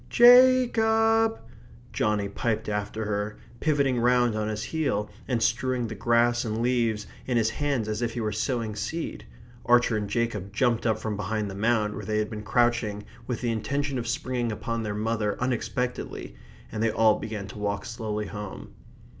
Ja cob!" Johnny piped after her, pivoting round on his heel, and strewing the grass and leaves in his hands as if he were sowing seed. Archer and Jacob jumped up from behind the mound where they had been crouching with the intention of springing upon their mother unexpectedly, and they all began to walk slowly home.